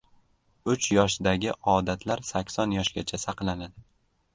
• Uch yoshdagi odatlar sakson yoshgacha saqlanadi.